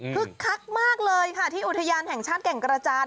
คักมากเลยค่ะที่อุทยานแห่งชาติแก่งกระจาน